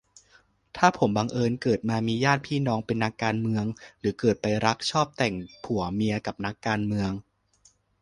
ถ้าผมบังเอิญเกิดมามีญาติพี่น้องเป็นนักการเมือง หรือเกิดไปรักชอบแต่งผัวเมียกับนักการเมือง